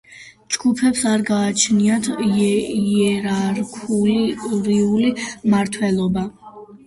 ჯგუფებს არ გააჩნიათ იერარქიული მმართველობა.